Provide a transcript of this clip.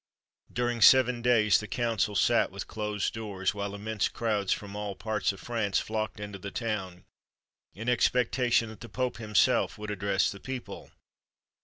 During seven days the council sat with closed doors, while immense crowds from all parts of France flocked into the town, in expectation that the Pope himself would address the people.